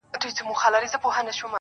زه دې د سندرو په الله مئين يم,